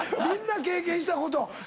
みんな経験したこと。